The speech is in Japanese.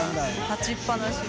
立ちっぱなし。